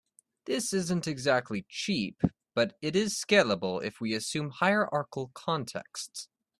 This isn't exactly cheap, but it is scalable if we assume hierarchical contexts.